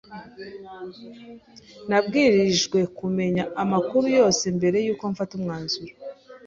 Nabwirijwe kumenya amakuru yose mbere yuko mfata umwanzuro.